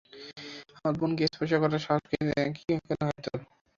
আমার বোনকে স্পর্শ করার সাহস কী করে হয় তোর!